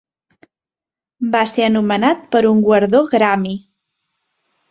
Va ser anomenat per un guardó Grammy.